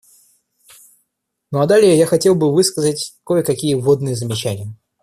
Ну а далее я хотел бы высказать кое-какие вводные замечания.